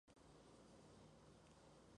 Su presencia nativa en Portugal es dudosa.